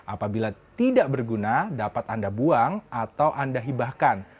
apabila tidak berguna dapat anda buang atau anda hibahkan